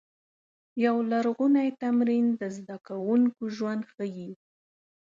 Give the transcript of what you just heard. یو لرغونی تمرین د زده کوونکو ژوند ښيي.